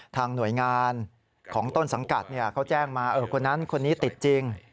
หน่วยงานของต้นสังกัดเขาแจ้งมาคนนั้นคนนี้ติดจริง